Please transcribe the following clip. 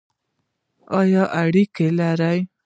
ایا اریګی لرئ؟